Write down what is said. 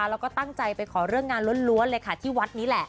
แล้วก็ตั้งใจไปขอเรื่องงานล้วนเลยค่ะที่วัดนี้แหละ